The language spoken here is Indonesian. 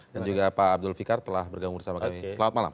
dan juga pak abdul fikar telah bergabung bersama kami selamat malam